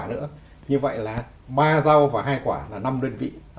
như vậy là ba rau và hai quả là năm đơn vị